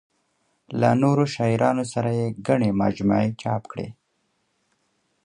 له نورو شاعرانو سره یې ګڼې مجموعې چاپ کړې.